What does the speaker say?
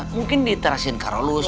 mungkin di terasin karolus